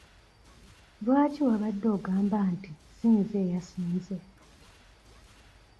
Lwaki wabadde ogamba nti si nze eyasinze?